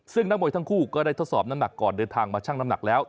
ซึ่งนักมวยทั้งคู่ก็ได้ทดสอบน้ำหนักก่อนเดินทางมาชั่งน้ำหนักแล้ว